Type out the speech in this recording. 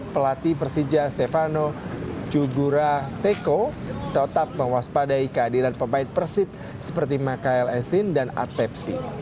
pelatih persija stefano jugura teko tetap mewaspadai kehadiran pemain persib seperti makael esin dan atepti